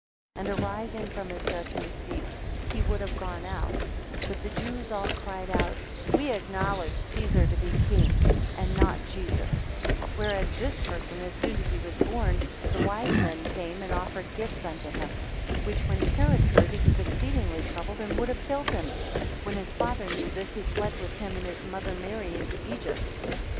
15 And arising from his judgment seat, he would have gone out; but the Jews all cried out, We acknowledge Caesar to be king, and not Jesus; 16 Whereas this person, as soon as he was born, the wise men came and offered gifts unto him; which when Herod heard, he was exceedingly troubled, and would have killed him: 17 When his father knew this, he fled with him and his mother Mary into Egypt.